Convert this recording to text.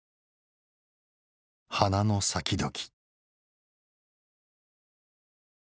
「花の咲きどき」。